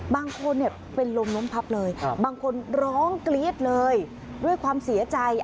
บางคนเป็นลมล้มพับเลยบางคนร้องกรี๊ดเลยด้วยความเสียใจ